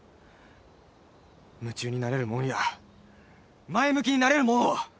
夢中になれるもんや前向きになれるもんを。